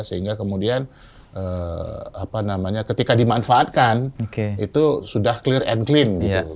sehingga kemudian ketika dimanfaatkan itu sudah clear and clean gitu